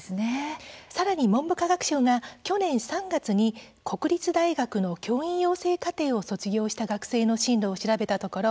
さらに文部科学省が去年３月に国立大学の教員養成課程を卒業した学生の進路を調べたところ